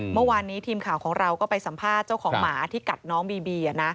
เมื่อวานนี้ทีมข่าวของเราก็ไปสัมภาษณ์เจ้าของหมาที่กัดน้องบีบี